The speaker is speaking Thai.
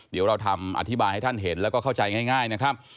เดี๋ยวเราทำอธิบายให้ท่านเห็นแล้วก็เข้าใจง่ายนะครับ